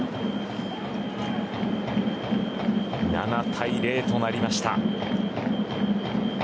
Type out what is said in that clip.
７対０となりました。